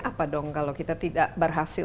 apa dong kalau kita tidak berhasil